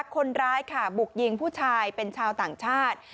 คนร้ายค่ะบุกยิงผู้ชายเป็นชาวต่างชาติ